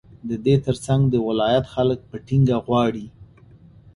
ددې ترڅنگ د ولايت خلك په ټينگه غواړي،